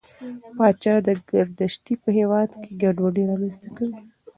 پاچا ګردشي په هېواد کې ګډوډي رامنځته کوي.